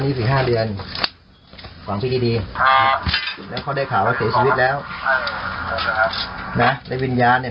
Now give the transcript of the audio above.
ในวิญญาณมันบอกแล้วไหม